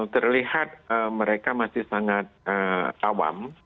terlihat mereka masih sangat awam